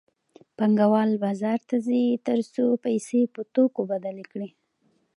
پانګوال بازار ته ځي تر څو پیسې په توکو بدلې کړي